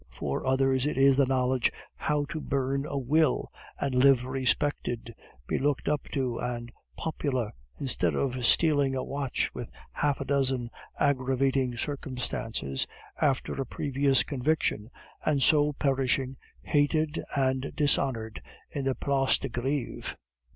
For others it is the knowledge how to burn a will and live respected, be looked up to and popular, instead of stealing a watch with half a dozen aggravating circumstances, after a previous conviction, and so perishing, hated and dishonored, in the Place de Greve."